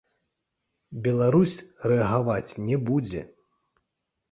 Беларусь рэагаваць не будзе.